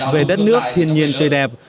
về đất nước thiên nhiên tươi đẹp